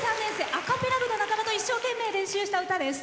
ア・カペラ部の仲間と一生懸命、練習した歌です。